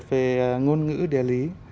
cái thứ nhất về ngôn ngữ địa lý